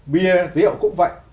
bia rượu cũng vậy